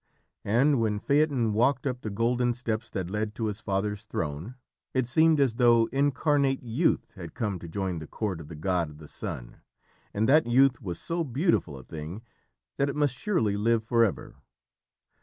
And when Phaeton walked up the golden steps that led to his father's throne, it seemed as though incarnate Youth had come to join the court of the god of the Sun, and that Youth was so beautiful a thing that it must surely live forever.